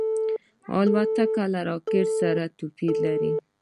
الوتکه له راکټ سره توپیر لري.